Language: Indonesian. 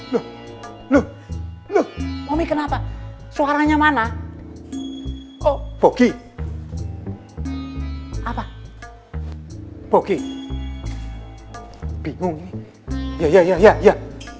lo lo lo kenapa suaranya mana oh pogi apa pogi bingung ya ya ya ya